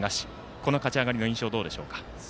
この勝ち上がりの印象どうでしょうか。